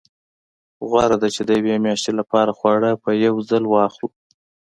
غوره ده چې د یوې میاشتې لپاره خواړه په یو ځل واخلو.